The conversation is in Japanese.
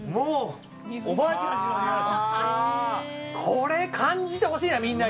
これ、感じてほしいな。